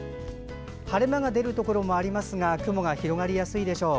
晴れ間が出るところもありますが雲が広がりやすいでしょう。